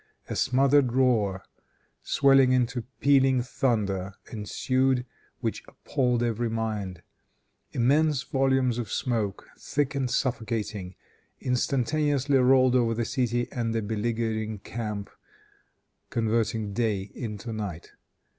A smothered roar, swelling into pealing thunder ensued, which appalled every mind. Immense volumes of smoke, thick and suffocating, instantaneously rolled over the city and the beleaguering camp, converting day into night.